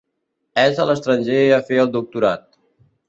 És a l'estranger a fer el doctorat.